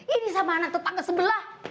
ini sama anak tetangga sebelah